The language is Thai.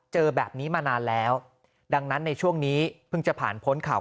เจอแบบนี้มานานแล้วดังนั้นในช่วงนี้เพิ่งจะผ่านพ้นข่าว